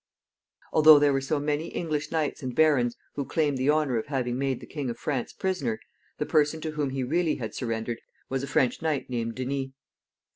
Although there were so many English knights and barons who claimed the honor of having made the King of France prisoner, the person to whom he really had surrendered was a French knight named Denys.